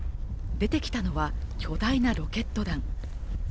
出てきたのは、巨大なロケット弾。